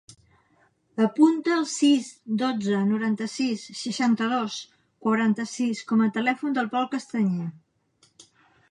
Apunta el sis, dotze, noranta-sis, seixanta-dos, quaranta-sis com a telèfon del Pol Castañer.